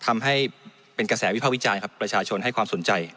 ทำให้เป็นกระแสวิภาควิจารณ์ครับประชาชนให้ความสนใจ